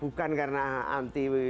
bukan karena anti